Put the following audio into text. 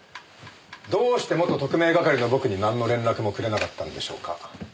どうして元特命係の僕になんの連絡もくれなかったんでしょうか？